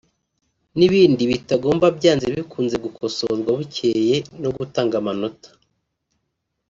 n’ibindi bitagomba byanze bikunze gukosorwa bukeye no gutanga amanota